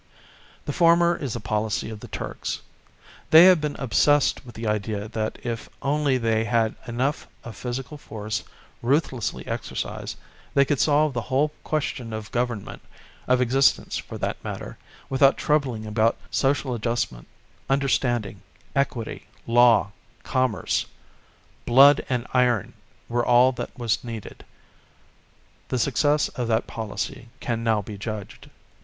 The former is the policy of the Turks. They have been obsessed with the idea that if only they had enough of physical force, ruthlessly exercised, they could solve the whole question of government, of existence for that matter, without troubling about social adjustment, understanding, equity, law, commerce; "blood and iron" were all that was needed. The success of that policy can now be judged.